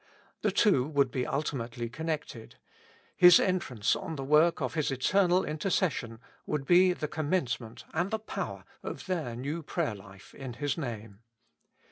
The two would be ultimately connected : His entrance on the work of His eternal intercession would be the commencement and the power of their neiv prayer life in His Name.